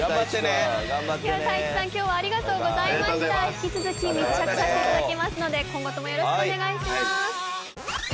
引き続き密着させていただきますので今後ともよろしくお願いします。